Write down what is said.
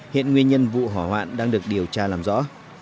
hiện nguyên nhân vụ hỏa hoạn đang được điều tra làm rõ